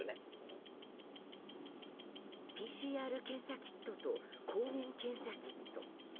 ＰＣＲ検査キットと抗原検査キット。